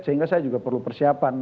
sehingga saya juga perlu persiapan